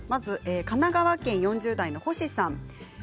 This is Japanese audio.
神奈川県４０代の方です。